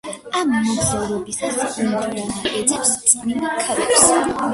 ამ მოგზაურობისას ინდიანა ეძებს წმინდა ქვებს.